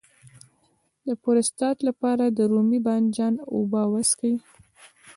د پروستات لپاره د رومي بانجان اوبه وڅښئ